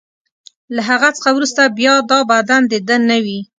له هغه څخه وروسته بیا دا بدن د ده نه وي.